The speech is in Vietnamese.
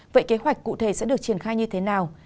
vậy kế hoạch cụ thể sẽ được triển khai như thế nào